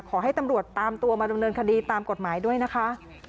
ขอให้ตำรวจตามตัวมาดำเนินคดีตามกฎหมายด้วยนะคะ